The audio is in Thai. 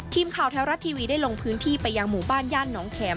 ทีมข่าวแท้รัฐทีวีได้ลงพื้นที่ไปยังหมู่บ้านย่านน้องแข็ม